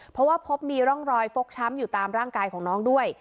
เพราะว่าพบมีร่องรอยฟกช้ำอยู่ตามร่างกายของน้องด้วย